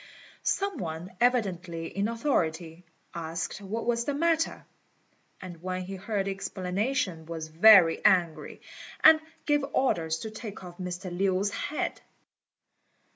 Some one, evidently in authority, asked what was the matter; and when he heard the explanation, was very angry, and gave orders to take off Mr. Lin's head.